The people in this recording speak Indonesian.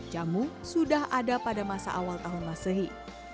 jamu sudah ada pada masa awal tahun masehi